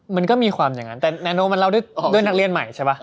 มันก็มีความอย่างนั้นแต่แนโนมันเล่าด้วยนักเรียนใหม่ใช่ป่ะ